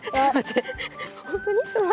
本当に？